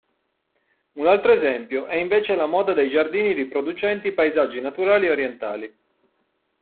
Un altro esempio è invece la moda dei giardini riproducenti i paesaggi naturali orientali.